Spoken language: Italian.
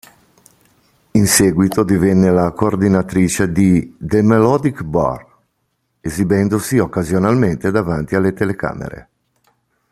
In seguito divenne la coordinatrice di "The Melodic Bar", esibendosi occasionalmente davanti alle telecamere.